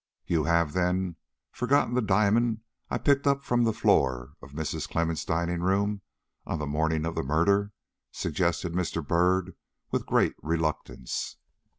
"You have, then, forgotten the diamond I picked up from the floor of Mrs. Clemmens' dining room on the morning of the murder?" suggested Mr. Byrd with great reluctance.